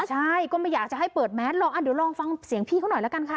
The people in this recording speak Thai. ใช่ก็ไม่อยากจะให้เปิดแมสลองเดี๋ยวลองฟังเสียงพี่เขาหน่อยละกันค่ะ